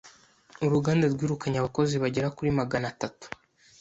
Uruganda rwirukanye abakozi bagera kuri magana atatu.